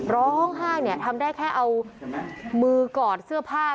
ร้องไห้เนี่ยทำได้แค่เอามือกอดเสื้อผ้า